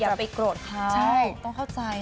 อย่าไปโกรธเขาต้องเข้าใจ